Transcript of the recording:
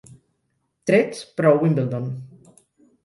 Trets, però a Wimbledon.